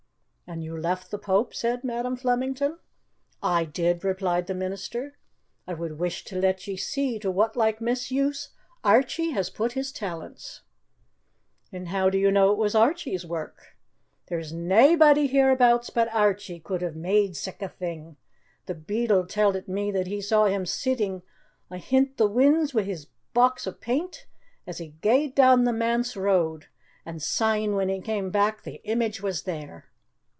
"And you left the Pope?" said Madam Flemington. "I did," replied the minister. "I would wish to let ye see to whatlike misuse Airchie has put his talents." "And how do you know it was Archie's work?" "There's naebody hereabouts but Airchie could have made sic' a thing. The beadle tell't me that he saw him sitting ahint the whins wi' his box of paint as he gae'd down the manse road, and syne when he came back the image was there."